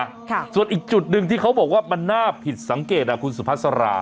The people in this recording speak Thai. ค่ะส่วนอีกจุดหนึ่งที่เขาบอกว่ามันน่าผิดสังเกตอ่ะคุณสุภาษารา